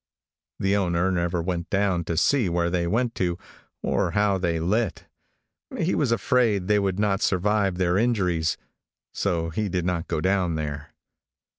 The owner never went down to see where they went to, or how they lit. He was afraid they would not survive their injuries, so he did not go down there.